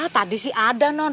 tadi sih ada non